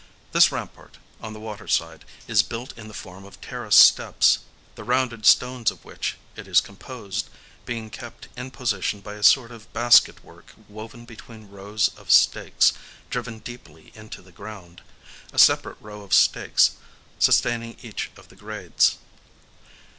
This rampart, on the water side, is built in the form of terrace steps;—the rounded stones of which it is composed being kept in position by a sort of basket work woven between rows of stakes driven deeply into the ground,—a separate row of stakes sustaining each of the grades.